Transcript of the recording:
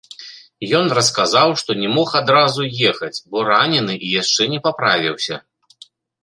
Ён расказаў, што не мог адразу ехаць, бо ранены і яшчэ не паправіўся.